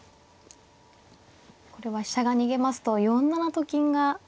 これは飛車が逃げますと４七と金が。